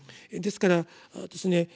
ですからですね